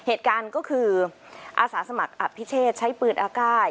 เหตุการณ์ก็คืออาสาสมัครอภิเชษใช้ปืนอากาศ